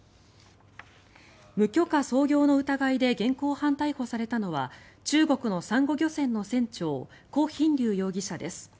無許可操業の疑いで現行犯逮捕されたのは中国のサンゴ漁船の船長コ・ヒンリュウ容疑者です。